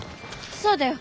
そうだよ。